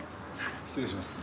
失礼します。